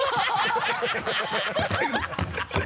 ハハハ